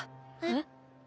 えっ？